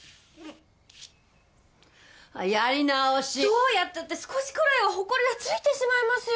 どうやったって少しくらいはホコリはついてしまいますよ！